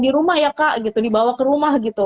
di rumah ya kak gitu dibawa ke rumah gitu